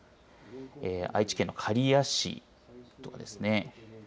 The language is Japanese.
愛知県の刈谷市とかですね